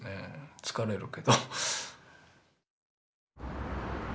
疲れるけど。